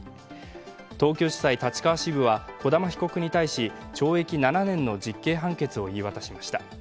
東京地裁立川支部は小玉被告に対し懲役７年の実刑判決を言い渡しました。